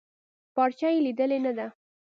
پارچه يې ليدلې نده.